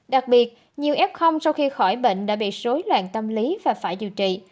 đặc biệt nhiều f sau khi khỏi bệnh đã bị rối loạn tâm lý và phải điều trị